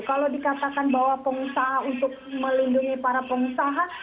kalau dikatakan bahwa pengusaha untuk melindungi para pengusaha